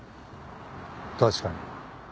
確かに。